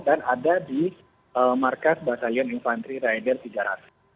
dan ada di markas batalion infantry rider tiga ratus